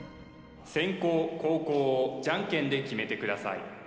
先攻後攻をじゃんけんで決めてください